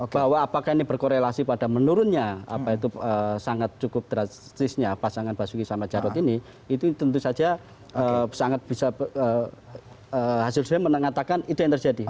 bahwa apakah ini berkorelasi pada menurunnya apa itu sangat cukup drastisnya pasangan basuki sama jarod ini itu tentu saja sangat bisa hasil survei mengatakan itu yang terjadi